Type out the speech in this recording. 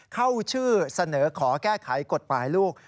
เข้าชื่อเสนอขอแก้ไขกฎหมายลูก